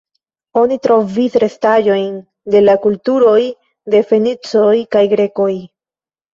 Oni trovis restaĵojn de la kulturoj de fenicoj kaj grekoj.